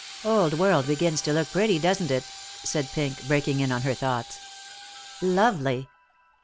"Old world begins to look pretty, doesn't it?" said Pink, breaking in on her thoughts. "Lovely."